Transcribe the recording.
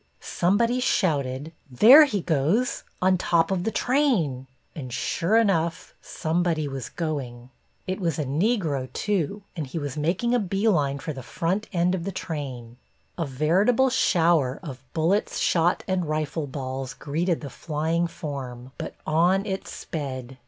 Somebody shouted: "There he goes, on top of the train!" And sure enough, somebody was going. It was a Negro, too, and he was making a bee line for the front end of the train. A veritable shower of bullets, shot and rifle balls greeted the flying form, but on it sped.